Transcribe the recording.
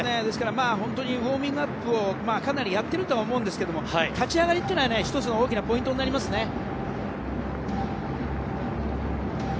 ですから、本当にウォーミングアップをかなりやってるとは思いますけど立ち上がりが１つの大きなポイントになりますね。